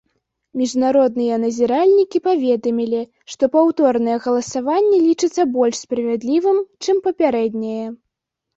Міжнародныя назіральнікі паведамілі, што паўторнае галасаванне лічыцца больш справядлівым, чым папярэдняе.